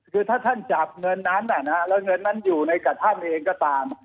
คือถ้าท่านจับเงินนั้นแล้วเงินนั้นอยู่ในกับท่านเองก็ตาม